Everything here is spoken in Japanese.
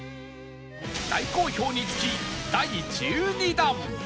大好評につき第１２弾